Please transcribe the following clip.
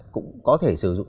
cũng có thể sử dụng